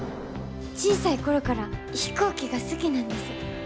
小さい頃から飛行機が好きなんです。